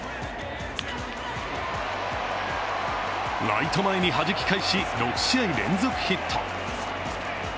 ライト前に弾き返し６試合連続ヒット。